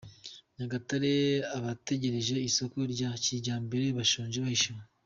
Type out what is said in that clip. Nyagatare Abategereje isoko rya kijyambere bashonje bahishiwe